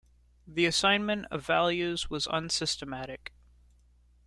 The assignment of values was unsystematic.